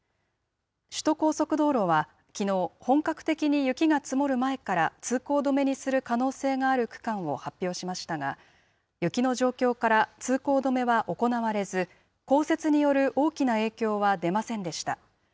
首都高速道路はきのう、本格的に雪が積もる前から、通行止めにする可能性がある区間を発表しましたが、雪の状況から、通行止めは行われず、降雪による大きな影響は出ませんでした。